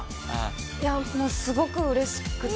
いやもうすごくうれしくて。